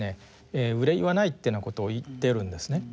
憂いはないっていうようなことを言ってるんですね。